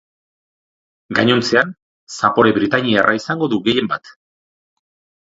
Gainontzean, zapore britainiarra izango du gehien bat.